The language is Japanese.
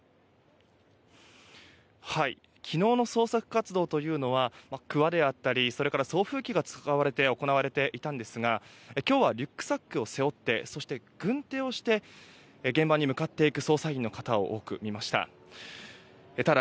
昨日の捜索活動というのはクワであったり送風機が使われて行われていたんですが今日はリュックサックを背負ってそして、軍手をして現場に向かっていく捜査員の方を多く見ました。